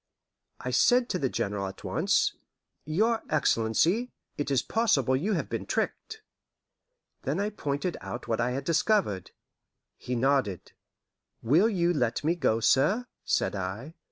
I said to the General at once, "Your excellency, it is possible you have been tricked." Then I pointed out what I had discovered. He nodded. "Will you let me go, sir?" said I.